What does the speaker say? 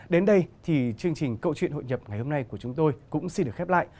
đến đây thì chương trình cậu chuyện hội nhập ngày hôm nay của chúng tôi cũng xin được khép lại